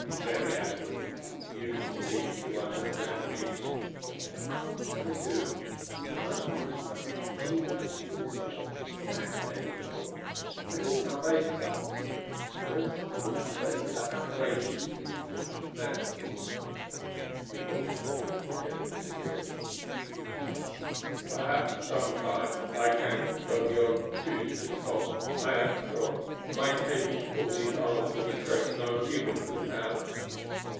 "Mary Atwood, you seem to understand me." "Of course I do. I am from a Time when we had human slaves: black men, Migul. I knew how they suffered. There is something in slavery that outrages the instinct of manhood." Migul said with a jangling vehemence: "Perhaps, some time, I can go beyond Tugh's control. I am strong. My cables pull these arms with a strength no human could have."